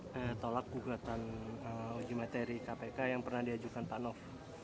pak bukatan uji materi kpk yang pernah diajukan pak nof